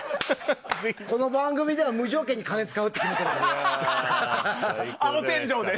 この番組では無条件で金使うって決めてるから。